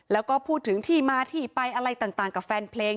แล้วก็พูดถึงที่มาที่ไปอะไรต่างกับแฟนเพลง